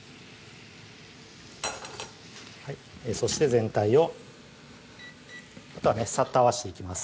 そして全体をあとはねサッと合わせていきます